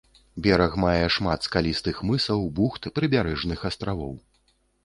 Бераг мае шмат скалістых мысаў, бухт, прыбярэжных астравоў.